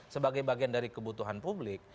sebagai bagian dari kebutuhan publik